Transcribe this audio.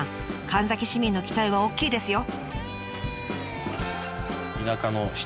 神埼市民の期待は大きいですよ。